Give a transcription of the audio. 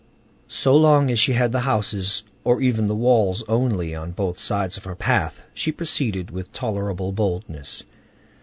So long as she had the houses or even the walls only on both sides of her path, she proceeded with tolerable boldness.